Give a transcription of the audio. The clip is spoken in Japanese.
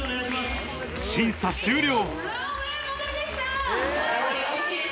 審査終了。